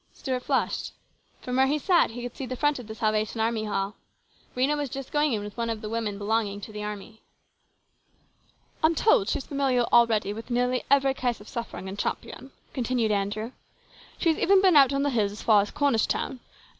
Stuart flushed. From where he sat he could see the front of the Salvation Army Hall. Rhena was just going in with one of the women belonging to the army. PLANS GOOD AND BAD. 179 " I'm told that she is familiar already with nearly every case of suffering in Champion," continued Andrew. " She has even been out on the hills as far as Cornish town.